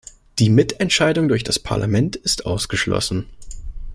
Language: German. Die Mitentscheidung durch das Parlament ist ausgeschlossen.